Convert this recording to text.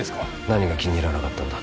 何が気に入らなかったんだ